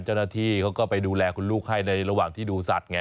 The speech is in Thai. เจ้าหน้าที่เขาก็ไปดูแลคุณลูกให้ในระหว่างที่ดูสัตว์ไง